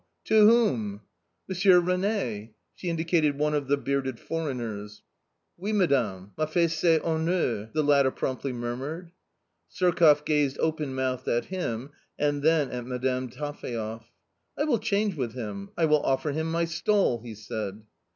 To whom?" " M. Rene. She indicated one of the bearded foreigners. " Oui, madame, m'a fait cet honneur," the latter promptly murmured. Surkoff gazed open mouthed at him and then at Madame Taphaev. " I will change with him ; I will offer him my stall," he said.